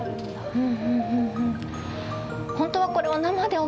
うん！